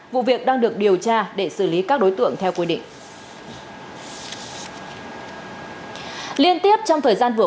vụ việc đang được điều tra để xử lý các đối tượng theo quy định